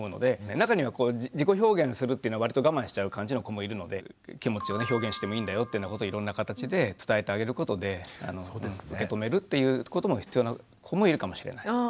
中には自己表現するっていうのわりと我慢しちゃう感じの子もいるので気持ちを表現してもいいんだよってことをいろんな形で伝えてあげることで受け止めるっていうことも必要な子もいるかもしれない。